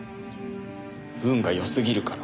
運が良すぎるから。